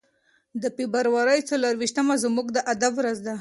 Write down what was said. د فبرورۍ څلور ویشتمه زموږ د ادب ورځ ده.